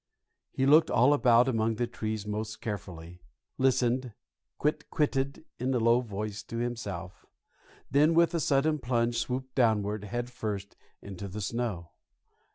He looked all about among the trees most carefully, listened, kwit kwitted in a low voice to himself, then, with a sudden plunge, swooped downward head first into the snow.